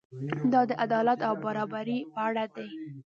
دا د عدالت او برابرۍ په اړه دی.